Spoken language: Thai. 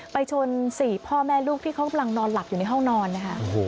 ชน๔พ่อแม่ลูกที่เขากำลังนอนหลับอยู่ในห้องนอนนะคะ